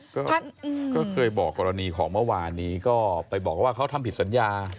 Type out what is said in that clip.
ก็เคยบอกกรณีของเมื่อวานนี้ก็ไปบอกว่าเขาทำผิดสัญญา